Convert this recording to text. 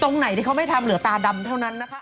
ตรงไหนที่เขาไม่ทำเหลือตาดำเท่านั้นนะคะ